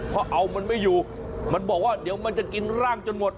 พอเอามันไม่อยู่มันบอกว่าเดี๋ยวมันจะกินร่างจนหมด